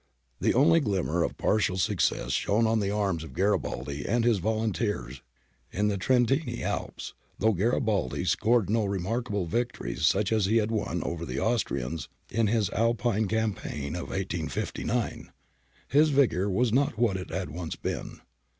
The only glimmer of partial success shone on the arms of Garibaldi and his volunteers in the Trentine Alps, though Garibaldi scored no re markable victories such as he had won over the Austrians in his Alpine campaign of 1859. His vigour was not what It had once been.